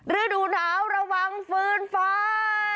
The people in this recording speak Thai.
ฤดูหนาวระวังฝืนไฟ